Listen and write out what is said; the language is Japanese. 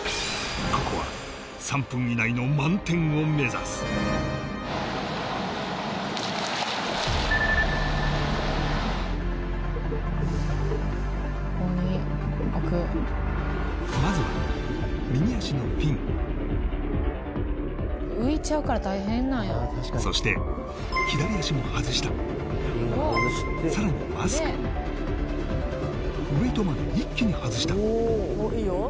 ここは３分以内の満点を目指すまずは右足のフィンそして左足も外したさらにマスクウェイトまで一気に外した